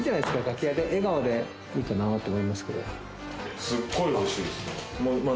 楽屋で笑顔でいいかなと思いますけど。